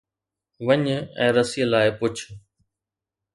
وڃ ۽ رسيءَ لاءِ پڇ